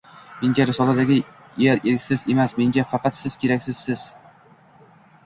— Menga risoladagi er kerak emas, menga faqat siz keraksiz, siz!